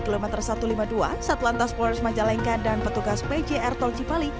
di kulimater satu ratus lima puluh dua satu lantas polaris majalengka dan petugas pjr tol cipali